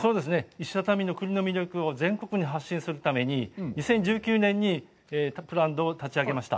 石畳の栗の魅力を全国に発信するために２０１９年にブランドを立ち上げました。